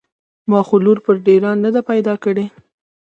ما خو لور په ډېران نده پيدا کړې.